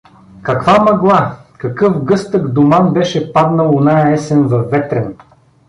Каква мъгла, какъв гъстък думан беше паднал оная есен във Ветрен!